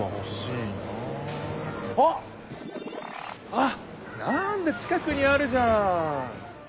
あっなんだ近くにあるじゃん！